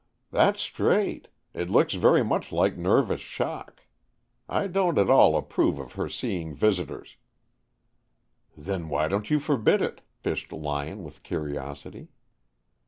"That's straight. It looks very much like nervous shock. I don't at all approve of her seeing visitors." "Then why don't you forbid it?" fished Lyon with curiosity.